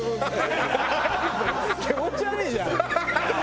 気持ち悪いじゃん。